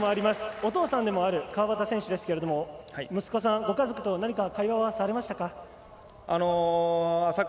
お父さんでもある川端選手ですけど息子さん、ご家族と何か会話はされましたか。